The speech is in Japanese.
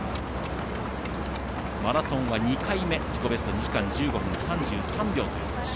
マラソンは２回目、自己ベストは２時間１５分３３秒という選手。